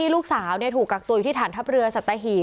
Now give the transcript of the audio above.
ลูกสาวถูกกักตัวอยู่ที่ฐานทัพเรือสัตหีบ